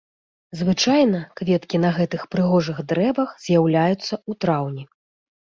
Звычайна, кветкі на гэтых прыгожых дрэвах з'яўляюцца ў траўні.